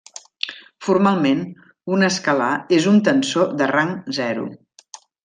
Formalment, un escalar és un tensor de rang zero.